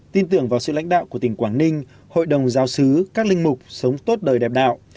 tin tưởng vào sự lãnh đạo của tỉnh quảng ninh hội đồng giáo sứ các linh mục sống tốt đời đẹp đạo